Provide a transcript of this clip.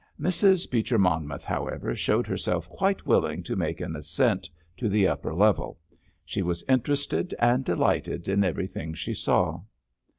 Mrs. Beecher Monmouth, however, showed herself quite willing to make an ascent to the upper level. She was interested and delighted in everything she saw.